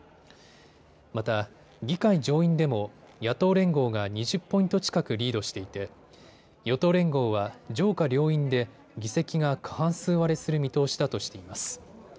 また議会上院でも野党連合が２０ポイント近くリードしていて与党連合は上下両院で議席が過半数割れする見通しだとしています。